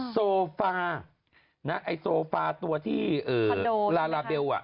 โซฟาไอ้โซฟาตัวที่ลาลาเบล